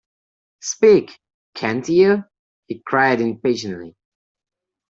‘Speak, can’t you?’ he cried impatiently.